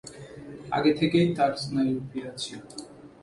আগে থেকেই তাঁর স্নায়ু পীড়া ছিল।